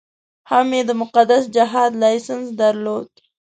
هم یې د مقدس جهاد لایسنس درلود.